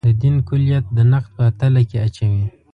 د دین کُلیت د نقد په تله کې اچوي.